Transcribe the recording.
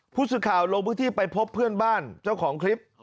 ผู้สื่อข่าวลงพื้นที่ไปพบเพื่อนบ้านเจ้าของคลิป